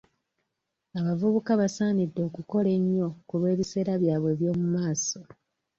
Abavubuka basaanidde okukola ennyo ku lw'ebiseera byabwe eby'omu maaaso .